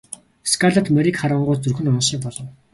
Скарлетт морийг харангуут зүрх нь унах шиг болов.